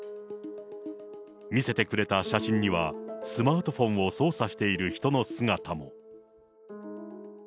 見せてくれた写真には、スマートフォンを操作している人の姿も。